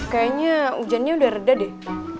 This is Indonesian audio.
kayaknya hujannya udah reda deh